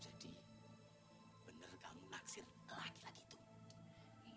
jadi benar kamu naksir laki laki itu